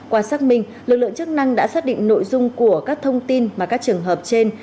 qua xác minh lực lượng chức năng đã xác định nội dung của các thông tin mà các trường hợp trên